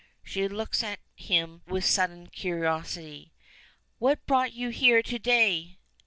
She looks at him with sudden curiosity. "What brought you here to day?"